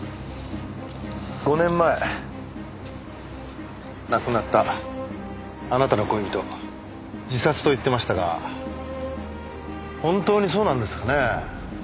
５年前亡くなったあなたの恋人自殺と言っていましたが本当にそうなんですかね？